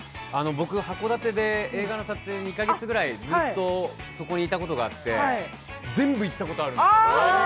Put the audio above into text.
僕函館に映画の撮影で２カ月ぐらいずっと、そこにいたことがあって全部行ったことあるんですよ。